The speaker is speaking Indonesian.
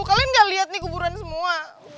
kalian gak lihat nih kuburan semua